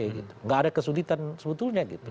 tidak ada kesulitan sebetulnya gitu